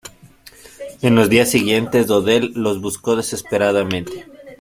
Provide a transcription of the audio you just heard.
En los días siguientes Odell los buscó desesperadamente.